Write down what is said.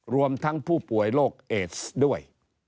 รวมทั้งผู้ป่วยโรคเอสด้วย